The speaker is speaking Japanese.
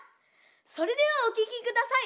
それではおききください！